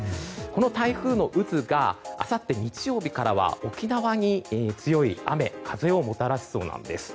この台風の渦があさって、日曜日からは沖縄に強い雨、風をもたらしそうなんです。